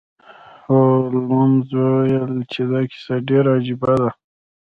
هولمز وویل چې دا کیسه ډیره عجیبه ده.